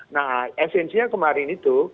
nah esensinya kemarin itu